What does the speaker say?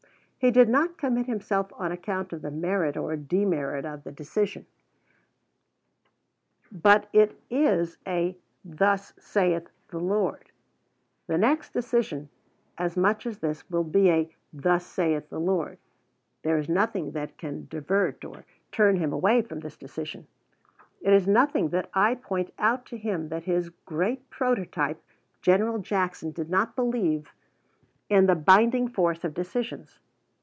He did not commit himself on account of the merit or demerit of the decision, but it is a "Thus saith the Lord." The next decision, as much as this, will be a "Thus saith the Lord." There is nothing that can divert or turn him away from this decision. It is nothing that I point out to him that his great prototype, General Jackson, did not believe in the binding force of decisions.